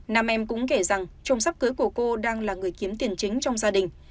nam em cũng kể rằng trôm sắp cưới của cô đang là người kiếm tiền chính trong gia đình